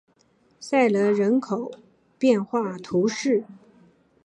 塞勒人口变化图示